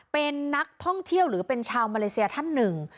เป็นนักท่องเที่ยวหรือเป็นชาวมาเลเซียท่านหนึ่ง